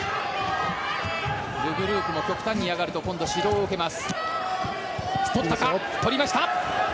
ル・ブルークも極端に嫌がると今度、指導を受けます。